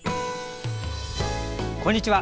こんにちは。